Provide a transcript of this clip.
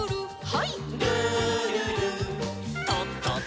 はい。